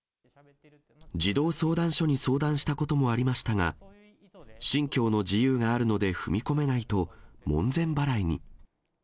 児童相談所に相談したこともありましたが、信教の自由があるので踏み込めないと、門前払いに。